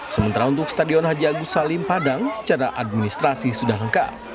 sementara untuk stadion haji agus salim padang secara administrasi sudah lengkap